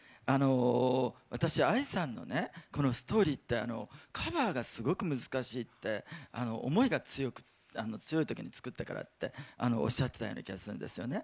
私、ＡＩさんの「Ｓｔｏｒｙ」ってカバーがすごく難しいって思いが強いときに作ったからっておっしゃってたような気がするんですよね。